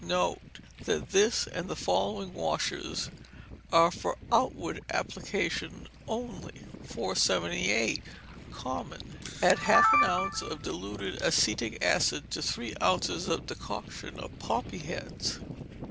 Note that this and the following washes are for outward application only. 478. Common. Add half an ounce of diluted acetic acid to three ounces of decoction of poppy heads.